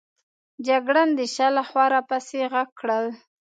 جګړن د شا له خوا را پسې ږغ کړل.